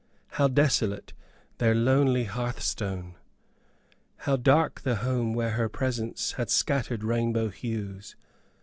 How desolate their lonely hearthstone! How dark the home where her presence had scattered rainbow hues!